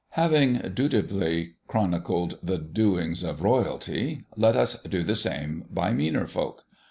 Having dutifully chronicled the doings of Royalty, let us do the same by meaner folk.